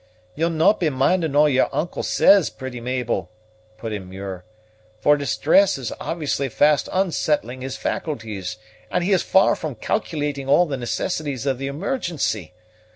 "You'll no' be minding all your uncle says, pretty Mabel," put in Muir, "for distress is obviously fast unsettling his faculties, and he is far from calculating all the necessities of the emergency.